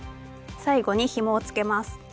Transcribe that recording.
最後にひもをつけます。